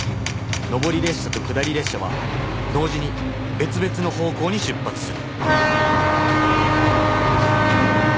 上り列車と下り列車は同時に別々の方向に出発する